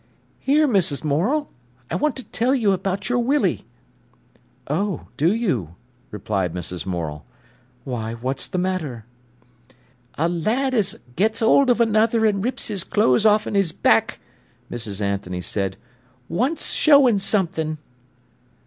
"Here, Mrs. Morel, I want to tell you about your Willie." "Oh, do you?" replied Mrs. Morel. "Why, what's the matter?" "A lad as gets 'old of another an' rips his clothes off'n 'is back," Mrs. Anthony said, "wants showing something."